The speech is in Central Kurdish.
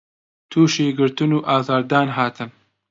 تووشی گرتن و ئازار دان هاتن